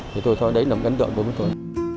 thì tôi thấy đấy là ấn tượng của tôi